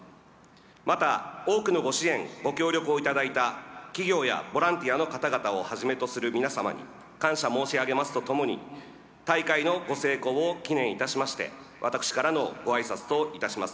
また、多くの御支援・御協力を頂いた企業やボランティアの方々をはじめとする皆様に感謝申し上げるとともに大会の御成功を祈念いたしまして私の挨拶といたします。